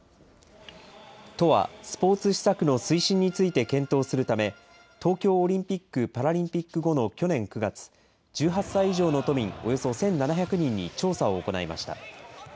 都はスポーツ施策の推進について検討するため、東京オリンピック・パラリンピック後の去年９月、１８歳以上の都民およそ１７００人に調査を行いました。